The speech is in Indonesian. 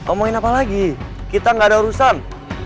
omongin apa lagi kita gak ada urusan